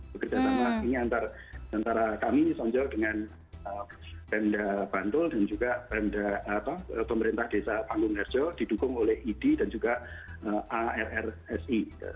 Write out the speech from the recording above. bekerja sama ini antara kami sonjol dengan pemda bantul dan juga pemerintah desa panggung rejo didukung oleh idi dan juga arrsi